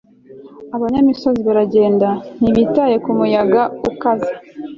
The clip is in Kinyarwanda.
abanyamisozi baragenda, ntibitaye ku muyaga ukaze